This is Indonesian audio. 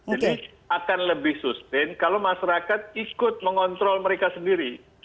jadi akan lebih sustain kalau masyarakat ikut mengontrol mereka sendiri